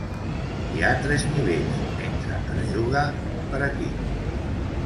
Hi ha tres nivells, mentre es juga, per equip.